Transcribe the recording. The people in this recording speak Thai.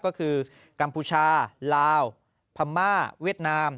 ก็คือกัมพูชาลาวพม่าเวียดนาม